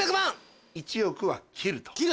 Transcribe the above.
１億は切ると。